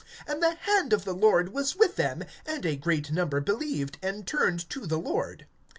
(21)And the hand of the Lord was with them; and a great number believed, and turned to the Lord.